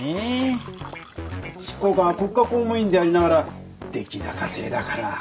執行官は国家公務員でありながら出来高制だから。